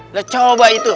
udah coba itu